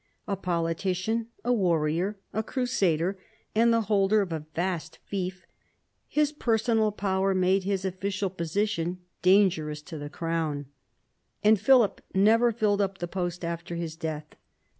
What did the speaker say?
A politician, a warrior, a crusader, and the holder of a vast fief, his personal power made his official position dangerous to the crown, and Philip never filled up the post after his death.